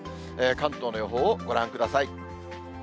関東の予報をご覧ください。